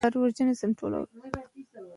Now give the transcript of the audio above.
په حرم کې شهزادګانو ته د ښکار زده کړه ورکول کېده.